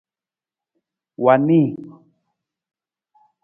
Wa nii.